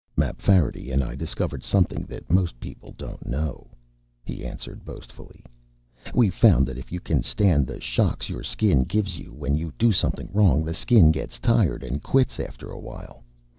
"Mapfarity and I discovered something that most people don't know," he answered boastfully. "We found that if you can stand the shocks your Skin gives you when you do something wrong, the Skin gets tired and quits after a while.